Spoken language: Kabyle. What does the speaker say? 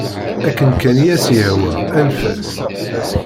Akken kan i as-yehwa, anef-as.